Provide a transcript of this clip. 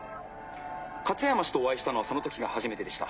勝山氏とお会いしたのはその時が初めてでした。